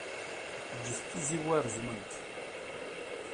Ǧǧet tizewwa reẓment.